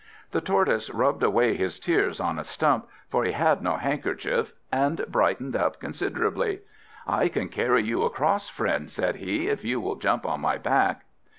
The Tortoise rubbed away his tears on a stump, for he had no handkerchief, and brightened up considerably. "I can carry you across, friend," said he, "if you will jump on my back."